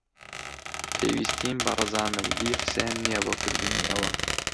پێویستیم بە ڕەزامەندیی حوسێن نییە بۆ کردنی ئەوە.